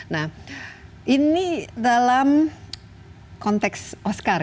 nah ini dalam konteks oscar